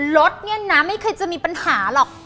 รถเนี่ยนะไม่เคยจะมีปัญหาหรอก